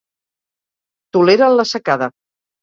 Toleren la secada.